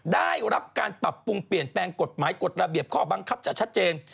ได้รับการปรับปรุงเปลี่ยนแปลงกฎหมายกฎระเบียบข้อบังคับจะชัดเจน